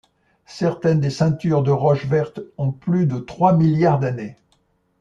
Certaines des ceintures de roches vertes ont plus de trois milliards d'années.